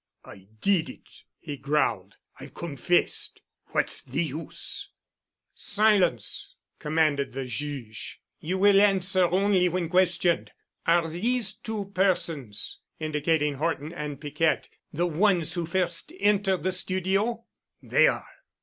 "I did it——" he growled. "I've confessed. What's the use?" "Silence!" commanded the Juge. "You will answer only when questioned. Are these two persons," indicating Horton and Piquette, "the ones who first entered the studio?" "They are."